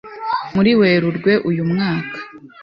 Muri Werurwe uyu mwaka